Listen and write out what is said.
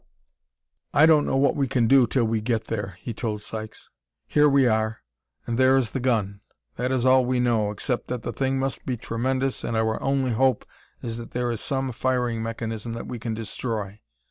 "I don't know what we can do till we get there," he told Sykes. "Here we are, and there is the gun: that is all we know, except that the thing must be tremendous and our only hope is that there is some firing mechanism that we can destroy.